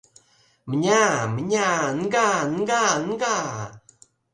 — Мня, мня... нга-нга-нга!..